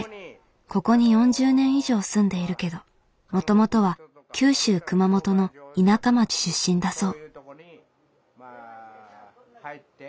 ここに４０年以上住んでいるけどもともとは九州熊本の田舎町出身だそう。